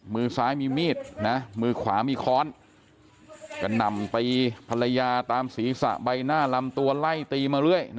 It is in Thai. มือซ้ายมีมีดนะมือขวามีค้อนกระหน่ำตีภรรยาตามศีรษะใบหน้าลำตัวไล่ตีมาเรื่อย